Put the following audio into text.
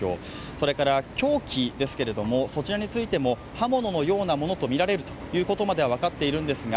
それから凶器ですけれども、そちらについても、刃物のようなものとみられるというところまでは分かっているのですが